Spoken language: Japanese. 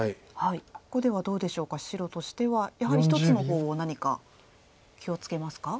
ここではどうでしょうか白としてはやはり１つの方を何か気を付けますか？